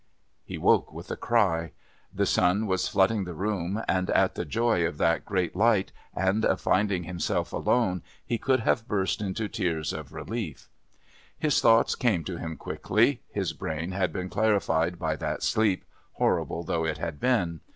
He woke with a cry; the sun was flooding the room, and at the joy of that great light and of finding himself alone he could have burst into tears of relief. His thoughts came to him quickly, his brain had been clarified by that sleep, horrible though it had been.